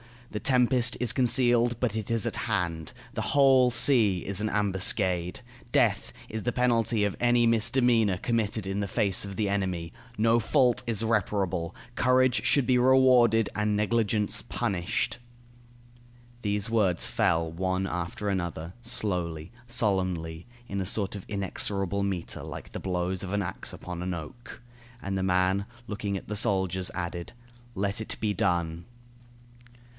The tempest is concealed, but it is at hand. The whole sea is an ambuscade. Death is the penalty of any misdemeanor committed in the face of the enemy. No fault is reparable. Courage should be rewarded, and negligence punished." These words fell one after another, slowly, solemnly, in a sort of inexorable metre, like the blows of an axe upon an oak. And the man, looking at the soldiers, added: "Let it be done."